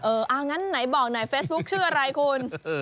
เอางั้นไหนบอกหน่อยเฟซบุ๊คชื่ออะไรคุณ